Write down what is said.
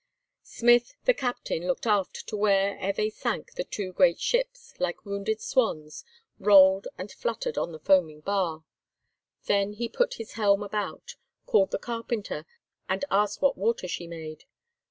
Smith, the captain, looked aft to where, ere they sank, the two great ships, like wounded swans, rolled and fluttered on the foaming bar. Then he put his helm about, called the carpenter, and asked what water she made.